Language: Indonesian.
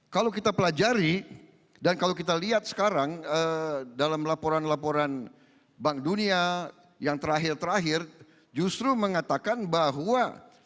kalau kita pelajari dan kalau kita lihat sekarang dalam laporan laporan bank dunia yang terakhir terakhir justru mengatakan bahwa